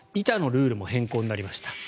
板のルールも変更になりました。